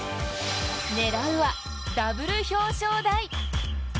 狙うはダブル表彰台。